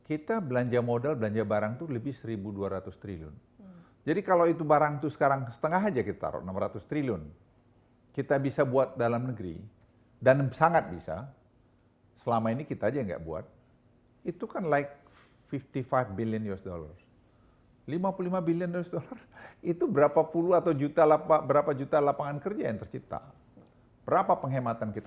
itu berapa puluh atau juta lapak berapa juta lapangan kerja yang tercipta berapa penghematan kita